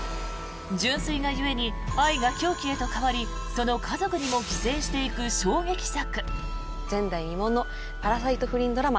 純粋が故に愛が狂気へと変わりその家族にも寄生していく衝撃作。